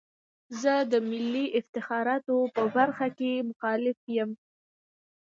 زه د ملي افتخاراتو په برخه کې مخالف یم.